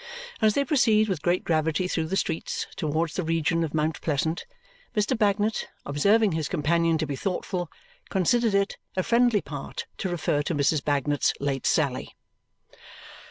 As they proceed with great gravity through the streets towards the region of Mount Pleasant, Mr. Bagnet, observing his companion to be thoughtful, considers it a friendly part to refer to Mrs. Bagnet's late sally.